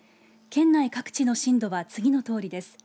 県内各地の震度は次のとおりです。